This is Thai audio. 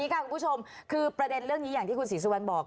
คุณพูดชมคือประเด็นนี้คุณสิสุวันบอก